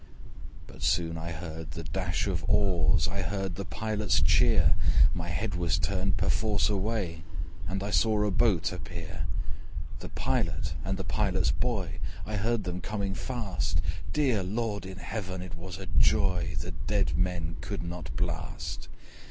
But soon I heard the dash of oars, I heard the Pilot's cheer; My head was turned perforce away And I saw a boat appear. The Pilot and the Pilot's boy, I heard them coming fast: Dear Lord in Heaven! it was a joy The dead men could not blast.